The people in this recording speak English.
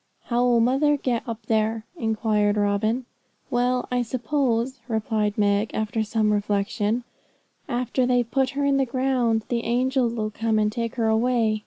'How 'll mother get up there?' inquired Robin. 'Well, I suppose,' replied Meg, after some reflection, 'after they've put her in the ground, the angels 'll come and take her away.